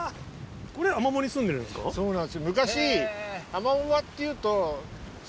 そうなんです昔。